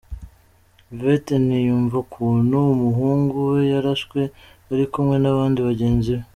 Yvette ntiyumva ukuntu umuhungu we yarashwe ari kumwe nabandi bagenzi be.